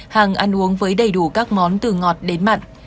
hàng ăn uống với đầy đủ các món từ ngọt đến mặn